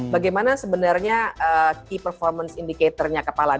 bagaimana sebenarnya key performance indicator nya kepala desa